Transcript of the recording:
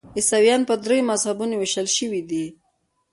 عیسویان په دریو مذهبونو ویشل شوي دي.